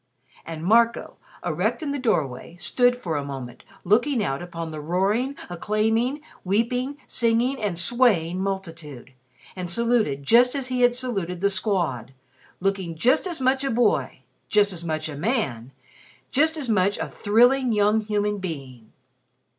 And Marco, erect in the doorway, stood for a moment, looking out upon the roaring, acclaiming, weeping, singing and swaying multitude and saluted just as he had saluted The Squad, looking just as much a boy, just as much a man, just as much a thrilling young human being.